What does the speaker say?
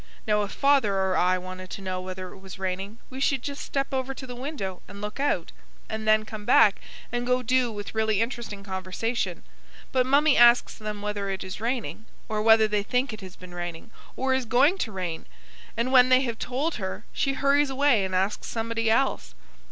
Now if father or I wanted to know whether it was raining we should just step over to the window, and look out; and then come back and go do with really interesting conversation. But Mummie asks them whether it is raining, or whether they think it has been raining, or is going to rain; and when they have told her, she hurries away and asks somebody else.